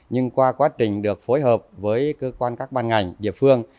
nhưng qua quá trình được phối hợp với cơ quan các ban ngành địa phương